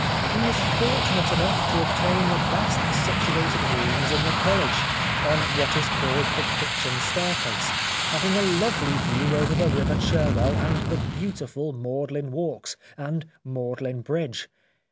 He was fortunate enough to obtain the best situated rooms in the college, on what is called the kitchen staircase, having a lovely view over the river Cherwell and the beautiful Magdalen walks, and Magdalen bridge.